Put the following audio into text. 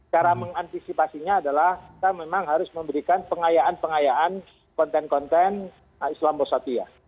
cara mengantisipasinya adalah kita memang harus memberikan pengayaan pengayaan konten konten islam wasatiyah